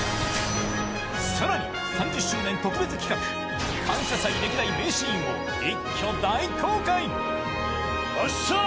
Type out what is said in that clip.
更に３０周年特別企画、「感謝祭」歴代名シーンを一挙大公開。